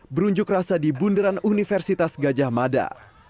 berunjuk rasa di bunderan universitas gajah mada